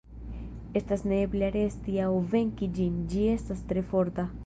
Estas neeble aresti aŭ venki ĝin, ĝi estas tre forta.